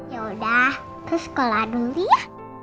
yaudah ke sekolah dulu ya